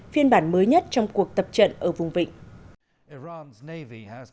phiên bản mới nhất trong cuộc tập trận ở vùng vịnh